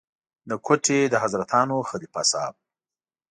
د کوټې د حضرتانو خلیفه صاحب.